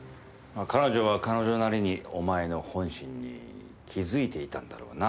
彼女は彼女なりにお前の本心に気づいていたんだろうな。